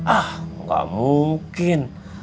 ah gak mungkin